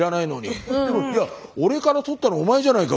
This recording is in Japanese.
でもいや俺から取ったのお前じゃないか。